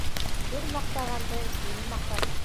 Ир маҡтағанды ил маҡтар.